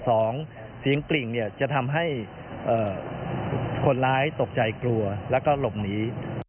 สองเสียงกริ่งเนี่ยจะทำให้คนร้ายตกใจกลัวแล้วก็หลบหนี